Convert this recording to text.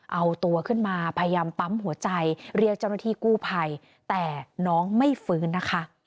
เอาตัวขึ้นมาพยายามปั๊มหัวใจเรียกเจ้าหน้าที่กู้ภัยแต่น้องไม่ฟื้นนะคะ